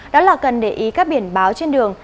đó là cần để ý các biển báo trên đường